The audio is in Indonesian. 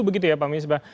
begitu ya pak misbah